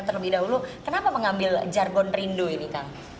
terlebih dahulu kenapa mengambil jargon rindu ini kang